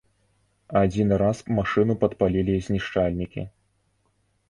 Адзін раз машыну падпалілі знішчальнікі.